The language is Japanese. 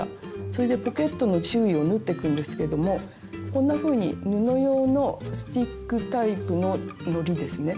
それでポケットの周囲を縫っていくんですけどもこんなふうに布用のスティックタイプののりですね。